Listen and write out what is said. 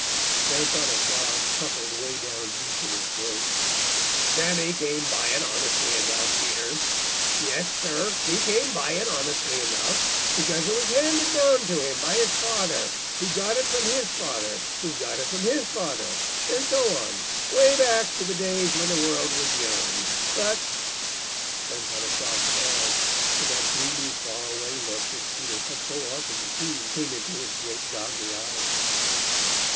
Grandfather Frog chuckled way down deep in his throat. "Sammy came by it honestly enough, Peter. Yes, Sir, he came by it honestly enough, because it was handed down to him by his father, who got it from his father, who got it from his father, and so on, way back to the days when the world was young, but " Grandfather Frog paused, and that dreamy, far away look which Peter had seen so often came into his great, goggly eyes.